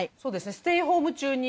ステイホーム中に。